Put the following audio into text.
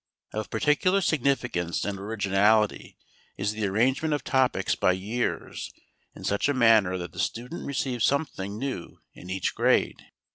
Of particular significance and originality is the arrangement of topics by years in such a manner that the student receives something new in each grade.